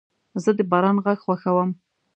زه د باران غږ خوښوم.